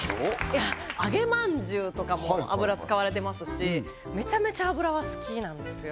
いやあげまんじゅうとかも油使われてますしめちゃめちゃ油は好きなんですよ